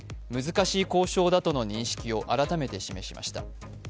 難しい交渉だとの認識を改めて示しました。